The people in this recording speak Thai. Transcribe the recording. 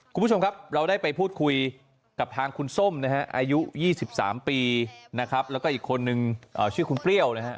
คุณผู้ชมครับเราได้ไปพูดคุยกับทางคุณส้มนะฮะอายุ๒๓ปีนะครับแล้วก็อีกคนนึงชื่อคุณเปรี้ยวนะฮะ